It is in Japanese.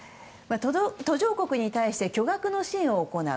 途上国に対して巨額の支援を行う。